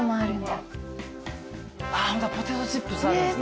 ポテトチップスあるんですね。